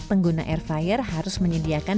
pengguna air fire harus menyediakan